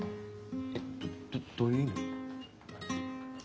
どどどういう意味？